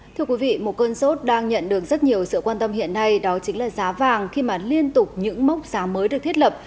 thưa quý vị một cơn sốt đang nhận được rất nhiều sự quan tâm hiện nay đó chính là giá vàng khi mà liên tục những mốc giá mới được thiết lập